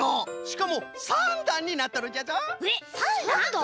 しかも３だんになっとるんじゃぞ。